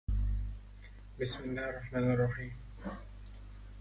Two small craters on the west side have fissured floors.